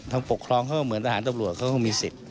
ปกครองเขาก็เหมือนทหารตำรวจเขาก็มีสิทธิ์